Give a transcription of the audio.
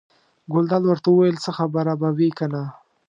ګلداد ورته وویل: څه خبره به وي کنه.